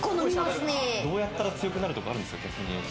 どうやったら強くなるとかあるんですか？